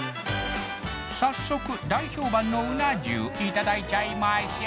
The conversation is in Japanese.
早速大評判のうな重いただいちゃいましょ！